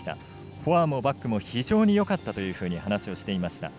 フォアもバックも非常によかったと話をしていました。